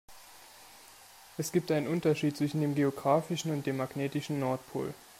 Es gibt einen Unterschied zwischen dem geografischen und dem magnetischen Nordpol.